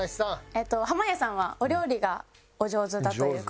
えっと濱家さんはお料理がお上手だという事で。